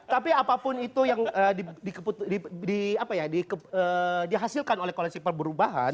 tapi apapun itu yang dihasilkan oleh koalisi perubahan